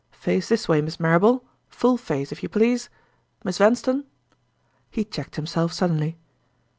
Face this way, Miss Marrable; full face, if you please. Miss Vanstone—" he checked himself suddenly.